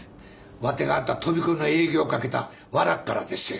わてがあんた飛び込みの営業かけた和楽からでっせ。